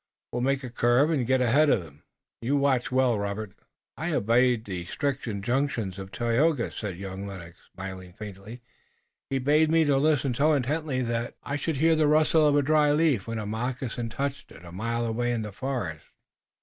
"We'll make a curve and get ahead of 'em again. You watched well, Robert." "I obeyed the strict injunctions of Tayoga," said young Lennox, smiling faintly. "He bade me listen so intently that I should hear the rustle of a dry leaf when a moccasin touched it a mile away in the forest.